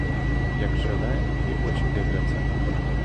Як живе — і очі дивляться!